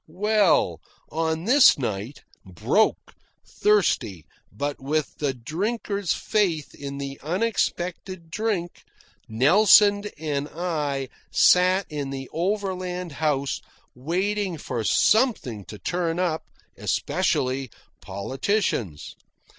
Well, on this night, broke, thirsty, but with the drinker's faith in the unexpected drink, Nelson and I sat in the Overland House waiting for something to turn up, especially politicians.